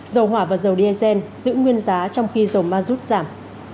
dầu hỏa và dầu diesel giữ nguyên giá trong khi dầu ma rút giảm